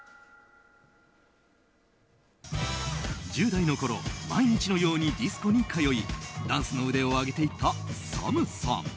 １０代のころ、毎日のようにディスコに通いダンスの腕を上げていったＳＡＭさん。